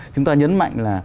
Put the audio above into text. chúng ta nhấn mạnh là